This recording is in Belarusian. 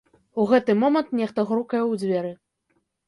У гэты момант нехта грукае ў дзверы.